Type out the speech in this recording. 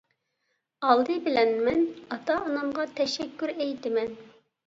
ئالدى بىلەن مەن ئاتا-ئانامغا تەشەككۈر ئېيتىمەن.